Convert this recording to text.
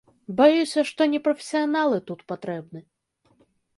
Баюся, што не прафесіяналы тут патрэбны.